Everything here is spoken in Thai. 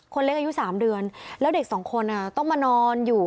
เล็กอายุ๓เดือนแล้วเด็กสองคนต้องมานอนอยู่